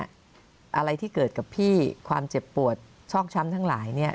อะไรที่เกิดกับพี่ความเจ็บปวดชอกช้ำทั้งหลายเนี่ย